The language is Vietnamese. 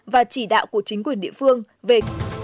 và chỉ đạo của chính quyền địa phương về